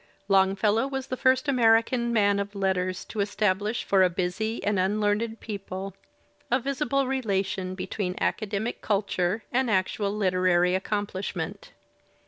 Longfellow was the first American man of letters to estab lish for a busy and unlearned people a visible relation be ^ tween academic culture and actual literary accomplishment.